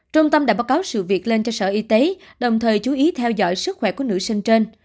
trung tâm đã báo cáo sự việc lên cho sở y tế đồng thời chú ý theo dõi sức khỏe của nữ sinh trên